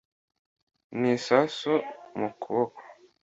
Ni isasu mu kuboko.